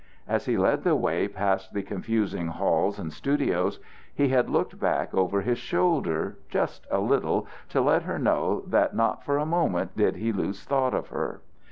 As he led the way past the confusing halls and studios, he had looked back over his shoulder just a little, to let her know that not for a moment did he lose thought of her.